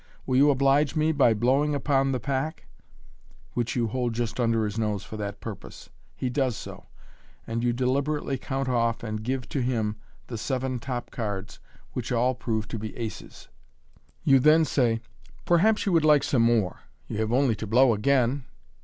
Will you oblige me by blowing upon the pack ?" which you hold just under his nose for that purpose. He does so, and you deliberately count off and give to him the seven top cards, which all prove to be aces. You then say, " Perhaps you would like some more. You have only to blow again.